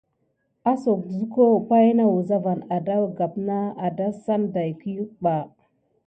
Abok suka pay nasaku ɓebawa telà bebaki dena desane.